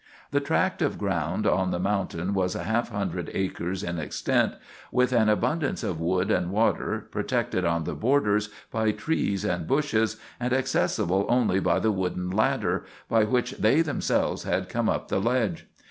The tract of ground on the mountain was a half hundred acres in extent, with an abundance of wood and water, protected on the borders by trees and bushes, and accessible only by the wooden ladder by which they themselves had come up the ledge.